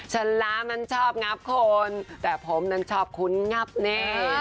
ชะล้ามนันชอบงับคนแต่ผมนันชอบคุ้นงับเน่